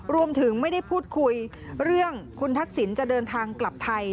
รวมถึงไม่ได้พูดคุยเรื่องคุณทักษิณจะเดินทางกลับไทย